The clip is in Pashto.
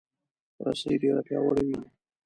رسۍ ډیره پیاوړې وي.